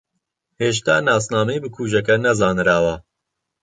ھێشتا ناسنامەی بکوژەکە نەزانراوە.